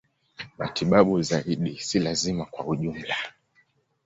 Matibabu zaidi si lazima kwa ujumla.